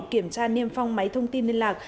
kiểm tra niêm phong máy thông tin liên lạc